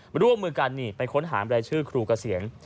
ร่วมมือกันนี่ไปค้นหารายชื่อครูเกษียณ